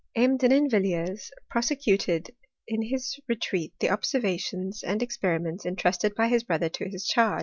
M. Denainvilliers prost^cuted in his retreat the observations and experi ments intrusted by his brother to his chai^.